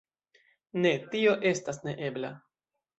Ne, tio estas neebla.